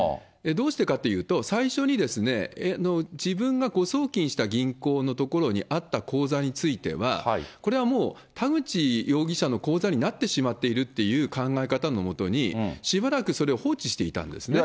どうしてかというと、最初に自分が誤送金した銀行のところにあった口座については、これはもう田口容疑者の口座になってしまっているという考え方のもとに、しばらくそれを放置していたんですね。